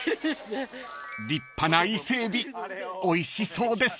［立派な伊勢海老おいしそうです］